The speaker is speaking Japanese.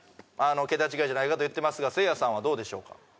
ケタ違いじゃないかと言ってますがせいやさんはどうでしょうか？